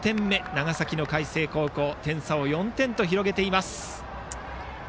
長崎・海星が点差を４点と広げています。